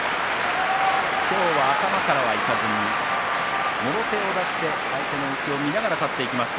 今日は頭からはいかずにもろ手を出して相手の動きを見ながら立っていきました。